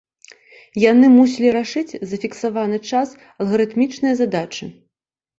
Яны мусілі рашыць за фіксаваны час алгарытмічныя задачы.